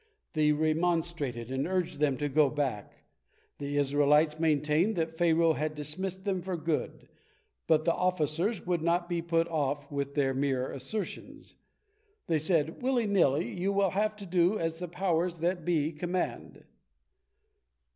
They remonstrated and urged them to go back. The Israelites maintained that Pharaoh had dismissed them for good, but the officers would not be put off with their mere assertions. They said, "Willy nilly, you will have to do as the powers that be command."